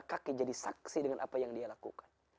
kaki jadi saksi dengan apa yang dia lakukan